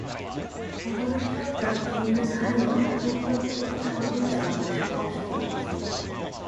踊る人々の人物埴輪は、東京国立博物館が所蔵しています。